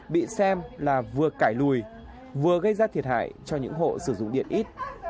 bị xem là vừa cải lùi vừa gây ra thiệt hại cho những hộ sử dụng điện ít